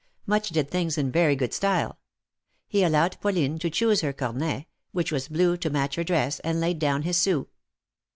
Much did things in very good style. He allowed Pauline to choose her cornet, which was blue to match her dress, and laid down his sou.